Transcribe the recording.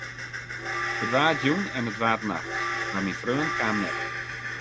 It waard jûn en it waard nacht, mar myn freon kaam net.